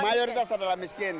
mayoritas adalah miskin